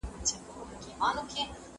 په لمریز کال ایله تاوده شي، زما ساړه هډونه